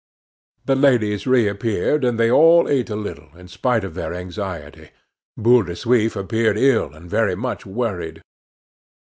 The ladies reappeared, and they all ate a little, in spite of their anxiety. Boule de Suif appeared ill and very much worried.